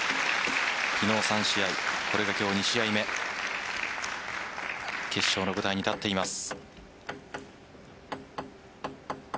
昨日３試合、これが今日２試合目決勝の舞台に立っています。